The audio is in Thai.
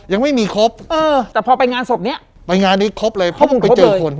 ยังไม่มีครบเออแต่พอไปงานศพเนี้ยไปงานนี้ครบเลยเพราะผมไปเจอคน